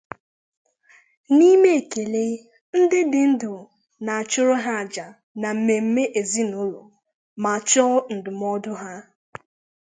N’ime ekele, ndị dị ndụ na-achụrụ ha àjà n’ememe ezinụlọ, ma chọọ ndụmọdụ ha.